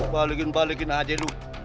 balikin balikin aja lu